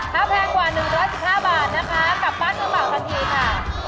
ถ้าแพงกว่า๑๑๕บาทนะคะกลับบ้านมือเปล่าทันทีค่ะ